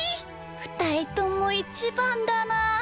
ふたりともいちばんだなあ。